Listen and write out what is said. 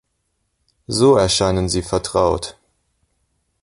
So erscheinen sie vertraut.